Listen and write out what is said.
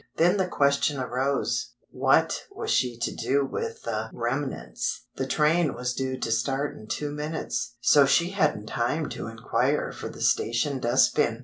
Then the question arose: What was she to do with the remnants? The train was due to start in two minutes, so she hadn't time to inquire for the station dust bin.